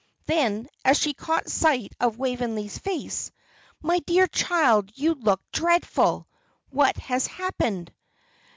Then, as she caught sight of Waveney's face, "My dear child, you look dreadful. What has happened?"